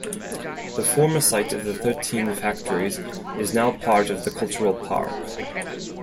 The former site of the thirteen factories is now part of the Cultural Park.